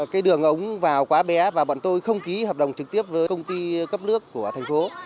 cái đường ống vào quá bé và bọn tôi không ký hợp đồng trực tiếp với công ty cấp nước của thành phố